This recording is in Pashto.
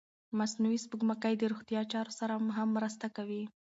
مصنوعي سپوږمکۍ د روغتیا چارو سره هم مرسته کوي.